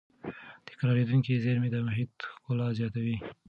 تکرارېدونکې زېرمې د محیط ښکلا زیاتوي.